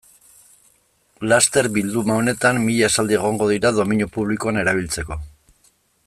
Laster, bilduma honetan, mila esaldi egongo dira domeinu publikoan erabiltzeko.